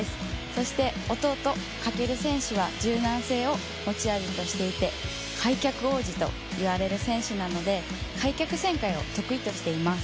そして、弟・翔選手は柔軟性を持ち味としていて、開脚王子といわれる選手なので開脚旋回を得意としています。